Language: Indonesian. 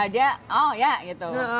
dia oh ya gitu